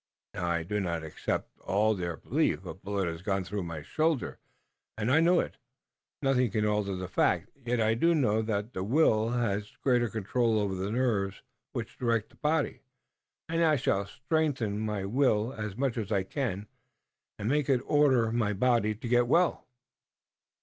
Now, I do not accept all their belief. A bullet has gone through my shoulder, and I know it. Nothing can alter the fact. Yet I do know that the will has great control over the nerves, which direct the body, and I shall strengthen my will as much as I can, and make it order my body to get well."